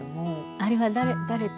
あれは誰と？